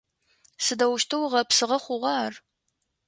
Сыдэущтэу гъэпсыгъэ хъугъа ар?